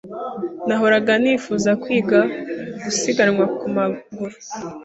Nahoraga nifuza kwiga gusiganwa ku maguru.